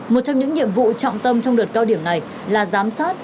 một trong những nhiệm vụ trọng tâm trong đợt cao điểm này là giám sát